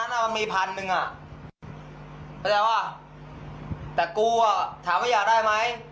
มันต้องมีพันหนึ่งตอบแบบว่าแต่กูอ่ะถามว่าอยากได้ไหม